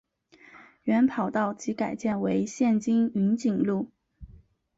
原跑道即改建为现今云锦路。